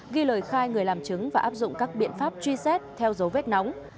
ghi lời khai người làm chứng và áp dụng các biện pháp truy xét theo dấu vết nóng